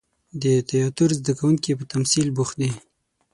د تیاتر زده کوونکي په تمثیل بوخت دي.